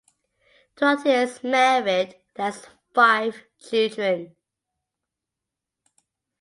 Trottier is married and has five children.